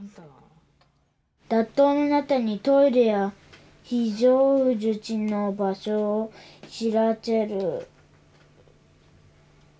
学校の中にトイレや非常口の場所を知らせる。